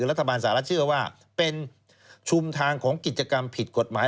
รัฐบาลสหรัฐเชื่อว่าเป็นชุมทางของกิจกรรมผิดกฎหมาย